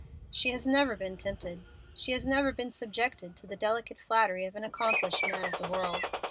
She has never been tempted. She has never been subjected to the delicate flattery of an accomplished man of the world.